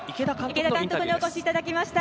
池田監督にお越しいただきました。